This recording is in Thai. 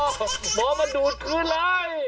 โอ๊ยหมอหมอมาดูดคืนเลย